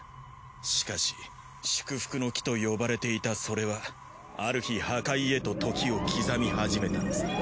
しかし祝福の樹と呼ばれていたそれはある日破壊へと時を刻み始めたのさ。